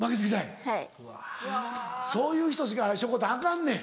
そういう人しかしょこたんアカンねん。